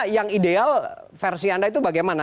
yang ideal versi anda itu bagaimana